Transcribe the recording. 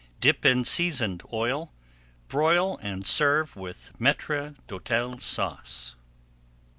Dip in seasoned oil, broil, and serve with Maître d'Hôtel Sauce.